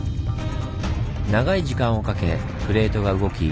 長い時間をかけプレートが動き